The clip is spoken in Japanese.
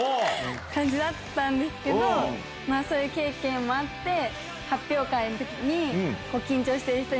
感じだったんですけどそういう経験もあって発表会の時に。